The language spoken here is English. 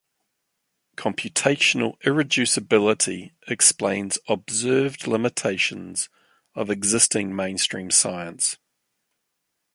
Computational irreducibility explains observed limitations of existing mainstream science.